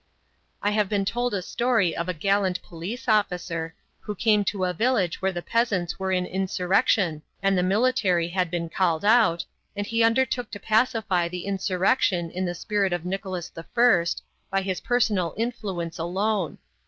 I have been told a story of a gallant police officer, who came to a village where the peasants were in insurrection and the military had been called out, and he undertook to pacify the insurrection in the spirit of Nicholas I., by his personal influence alone.